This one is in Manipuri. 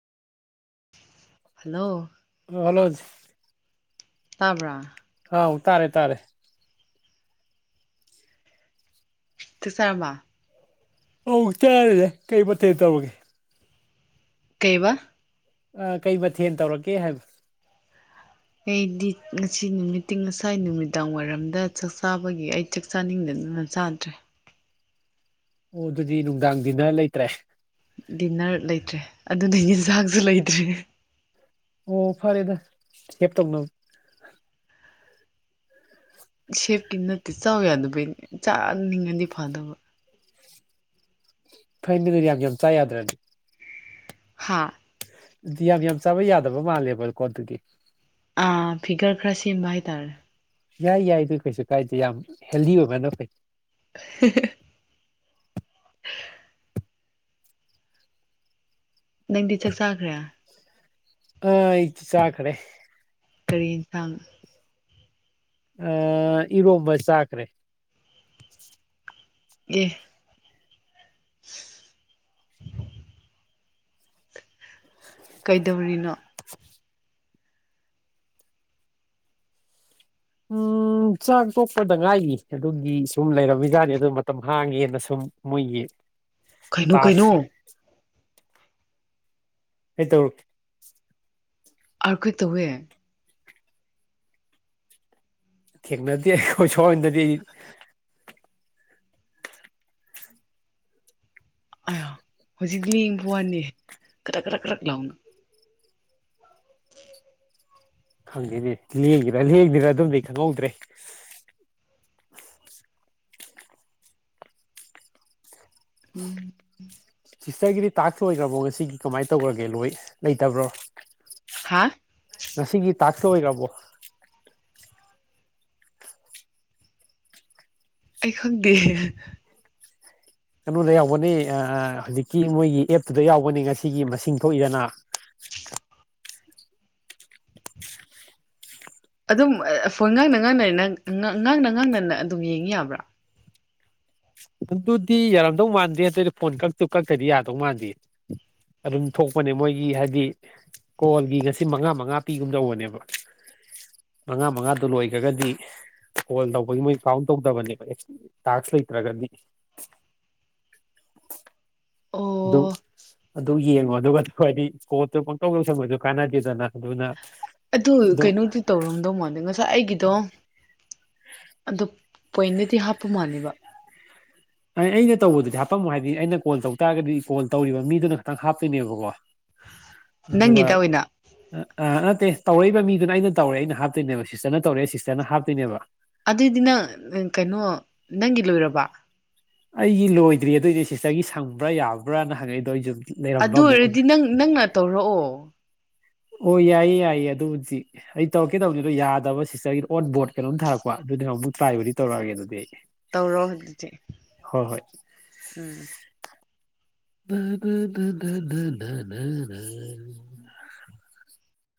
ꯍꯜꯂꯣ ꯍꯂ ꯇꯥꯕ꯭ꯔꯥ ꯑꯥꯎ ꯇꯥꯔꯦ ꯇꯥꯔꯦ ꯇꯁꯥꯔꯃ ꯑ ꯆꯔꯔꯦ ꯀꯩ ꯄꯊꯩ ꯇꯕꯒꯦ ꯀꯩꯕ ꯑ ꯀꯩ ꯃꯊꯦꯜ ꯇꯧꯔꯛꯀꯦ ꯍꯥꯏꯕ ꯑꯩꯗꯤ ꯉꯁꯤ ꯅꯨꯃꯤ ꯇꯤꯡ ꯉꯁꯥꯏ ꯅꯨꯃꯤꯗꯥꯡ ꯋꯥꯏꯔꯝꯗ ꯆꯥꯛ ꯆꯥꯕꯒꯤ ꯑꯩ ꯆꯥꯛ ꯆꯥꯅꯤꯡꯗꯗꯨꯅ ꯆꯥꯗ꯭ꯔꯦ ꯑꯣ ꯑꯗꯨꯗꯤ ꯅꯨꯡꯗꯥꯡꯗꯤꯅ ꯂꯩꯇ꯭ꯔꯦ ꯗꯤꯟꯅꯔ ꯂꯩꯇ꯭ꯔꯦ ꯑꯗꯨꯅ ꯌꯦꯟꯁꯥꯡꯁꯨ ꯂꯩꯇ꯭ꯔꯦ ꯑꯣ ꯐꯔꯦꯗ ꯍꯦꯞꯇꯧꯅꯕ ꯁꯦꯞꯀꯤ ꯅꯠꯇꯦ ꯆꯥꯎ ꯌꯥꯗꯕꯩꯅꯦ ꯆꯥꯅꯤꯡꯉꯗꯤ ꯐꯥꯗꯕ ꯐꯩꯅꯤꯗꯨꯗꯤ ꯌꯥꯝ ꯌꯥꯝ ꯆꯥ ꯌꯥꯗ꯭ꯔꯅꯤ ꯍꯥꯥ ꯑꯗꯨꯗꯤ ꯌꯥꯝ ꯌꯥꯝ ꯆꯥꯕ ꯌꯥꯗꯕ ꯃꯥꯜꯂꯦꯕꯀꯣ ꯑꯗꯨꯒꯤ ꯑꯥ ꯐꯤꯒꯔ ꯈ꯭ꯔ ꯁꯤꯦꯝꯕꯥ ꯍꯥꯏ ꯇꯔ ꯌꯥꯏ ꯌꯥꯏ ꯑꯗꯨ ꯀꯩꯁꯨ ꯀꯥꯏꯗꯦ ꯌꯥꯝ ꯍꯦꯜꯗꯤ ꯑꯣꯏꯕꯅꯣꯈꯩ [unintelligible] ꯅꯪꯗꯤ ꯆꯥꯛ ꯆꯥꯈ꯭ꯔꯦ ꯑ ꯏ ꯆꯤ ꯆ ꯀꯔ ꯀꯔꯤ ꯊꯥꯡ ꯑ ꯏꯔꯣꯝꯕ ꯆꯥꯛꯈ꯭ꯔꯦ ꯒꯤꯦ [unintelligible] ꯀꯩꯗꯧꯔꯤꯅꯣ ꯎꯝ ꯆꯥꯛ ꯇꯣꯛꯄꯗ ꯉꯥꯏꯅꯤ ꯑꯗꯨꯒꯤ ꯁꯨꯝ ꯂꯩꯔꯝꯃꯤꯖꯥꯠꯅꯤ ꯑꯗꯨ ꯃꯇꯝ ꯍꯥꯡꯉꯦꯅ ꯁꯨꯝ ꯃꯣꯏꯒꯤ ꯀꯩꯅꯨ ꯇꯥꯛꯁ ꯀꯩꯅꯅꯨ ꯑꯩ ꯇꯧꯔꯛꯀꯦ ꯑꯥꯔꯈꯣꯏ ꯇꯧꯋꯦ ꯊ ꯅ ꯌꯥ ꯀꯣꯏ ꯊꯣꯛꯣꯏꯗꯗꯤ ꯑ ꯍꯧꯖꯤꯛ ꯂꯦꯡꯕ ꯋꯥꯅꯤ ꯀꯔ ꯀꯔꯛ ꯀꯔꯛ ꯂꯥꯎꯅ ꯈꯪꯗꯦꯅꯦ ꯂꯦꯡꯗꯦꯔ ꯂꯦꯡꯗꯦꯔꯥ ꯑꯗꯨꯝꯗꯤꯩ ꯈꯪꯍꯧꯗ꯭ꯔꯦ ꯎꯝ ꯁꯤꯁꯇꯔꯒꯤꯗꯤ ꯇꯥꯛꯁꯣꯏꯈ꯭ꯔꯕꯣ ꯉꯁꯤꯒꯤ ꯀꯃꯥꯏꯅ ꯇꯧꯈꯔꯒꯦ ꯂꯣꯏ ꯂꯩꯇꯕ꯭ꯔꯣ ꯍꯥ ꯁꯤꯒꯤ ꯇꯥ ꯊ ꯍꯣꯏ ꯌꯥꯄꯣ ꯑꯩ ꯈꯪꯗꯤ ꯀꯩꯅꯣꯗ ꯌꯥꯎꯕꯅꯤ ꯍꯧꯖꯤꯛꯀꯤ ꯃꯣꯏꯒꯤ ꯑꯦꯞꯇꯨꯗ ꯌꯥꯎꯕꯅꯤ ꯉꯁꯤꯒꯤ ꯃꯁꯤꯡ ꯊꯣꯛꯏꯗꯅ ꯑꯗꯨꯝ ꯐꯣꯏ ꯉꯥꯡꯅ ꯉꯥꯡꯅꯔꯤ ꯅꯪ ꯉꯥꯡꯅ ꯉꯥꯡꯅꯅ ꯑꯗꯨꯝ ꯌꯦꯡꯤ ꯌꯥꯕ꯭ꯔꯥ ꯑꯗꯨꯗꯤ ꯌꯥꯔꯝꯗꯧ ꯃꯥꯟꯗꯦ ꯑꯗꯨꯑꯣꯏꯗꯤ ꯐꯣꯟ ꯀꯛꯇꯨ ꯀꯛꯇꯗꯤ ꯌꯥꯗꯧ ꯃꯥꯟꯗꯦ ꯑꯗꯨꯝ ꯊꯣꯛꯄꯅꯦ ꯃꯣꯏꯒꯤ ꯍꯥꯏꯗꯤ ꯀꯣꯜꯒꯤ ꯉꯁꯤ ꯃꯉꯥ ꯃꯉꯥ ꯄꯤꯒꯨꯝꯗꯧꯕꯅꯦꯕ ꯃꯉꯥ ꯃꯉꯥꯗꯨ ꯂꯣꯏꯈ꯭ꯔꯒꯗꯤ ꯀꯣꯜ ꯇꯧꯕꯒꯤ ꯃꯣꯏ ꯀꯥꯎꯟ ꯇꯧꯗꯕꯅꯦꯕ ꯇꯥꯛꯁ ꯂꯩꯇ꯭ꯔꯒꯗꯤ [unintelligible] ꯑꯗꯨ ꯑꯣ ꯑꯗꯨ ꯌꯦꯡꯉꯣ ꯑꯗꯨꯒ ꯍꯥꯏꯗꯤ ꯀꯣꯔꯣꯠꯇꯨ ꯄꯪꯇꯧ ꯂꯧꯧꯁꯪꯕꯁꯨ ꯀꯥꯟꯅꯗꯦꯗꯅ ꯑꯗꯨꯅ ꯑꯗꯨ ꯑꯗꯨꯝ ꯀꯩꯅꯣꯗꯤ ꯇꯧꯔꯝꯗꯧ ꯃꯜꯗꯦ ꯉꯁꯥꯏ ꯑꯩꯒꯤꯗꯣ ꯑꯗꯨ ꯄꯣꯏꯅꯗꯤꯤ ꯍꯥꯞꯄꯨ ꯃꯥꯅꯤꯕ ꯑ ꯑꯩꯅ ꯇꯧꯕꯗꯨꯗꯤ ꯍꯥꯄꯝꯃꯣ ꯍꯥꯏꯗꯤ ꯑꯩꯅ ꯀꯣꯜ ꯇꯧ ꯇꯥꯔꯒꯗꯤ ꯀꯣꯜ ꯇꯧꯔꯤꯕ ꯃꯤꯗꯨꯅ ꯈꯇꯪ ꯍꯥꯞꯇꯣꯏꯅꯦꯕꯀꯣ ꯑꯗꯨꯕꯥ ꯅꯪꯒꯤꯗ ꯑꯣꯏꯅ ꯑ ꯑ ꯅꯠꯇꯦ ꯇꯧꯔꯛꯏꯕ ꯃꯤꯗꯨꯅ ꯑꯩꯅ ꯇꯧꯔꯦ ꯑꯩꯅ ꯍꯥꯞꯇꯣꯏꯅꯦꯕ ꯁꯤꯁꯇꯔꯅ ꯇꯧꯔꯛꯦ ꯁꯤꯁꯇꯔꯅ ꯍꯥꯞꯇꯣꯏꯅꯦꯕ ꯑꯗꯨꯏꯗꯤ ꯅꯪ ꯀꯩꯅꯣ ꯅꯪꯒꯤ ꯂꯣꯏꯔꯕ ꯑꯩꯒꯤ ꯂꯣꯏꯗ꯭ꯔꯤ ꯑꯗꯨ ꯑꯣꯏꯗꯤ ꯁꯤꯁꯇꯔꯒꯤ ꯁꯪꯕ꯭ꯔꯥ ꯌꯥꯕ꯭ꯔꯥꯅ ꯍꯪꯉꯛꯏꯗꯣ ꯑꯩꯁꯨꯨꯝ ꯑꯗꯨ ꯑꯣꯏꯔꯗꯤ ꯅꯪ ꯅꯪꯅ ꯇꯧꯔꯛꯑꯣ ꯑꯣ ꯌꯥꯏꯌꯦ ꯌꯥꯏꯌꯦ ꯑꯗꯨꯕꯨꯗꯤ ꯑꯩ ꯇꯧꯔꯛꯀꯦꯗꯕꯅꯤ ꯑꯗꯣ ꯌꯥꯗꯕ ꯁꯤꯁꯇꯔꯒꯤ ꯑꯣꯟ ꯕꯣꯔꯗ ꯀꯩꯅꯣꯝ ꯊꯥꯔꯛꯄ ꯑꯗꯨꯅꯤꯅ ꯑꯃꯨꯛ ꯇ꯭ꯔꯥꯏꯕꯨꯗꯤ ꯇꯧꯔꯛꯑꯒꯦ ꯑꯗꯨꯗꯤ ꯑꯩ ꯇꯧꯔꯣ ꯍꯧꯖꯤꯛꯗꯤꯦ ꯍꯣꯏ ꯍꯣꯏ ꯎꯝ ꯗꯙ ꯗꯙꯙꯙꯙꯙ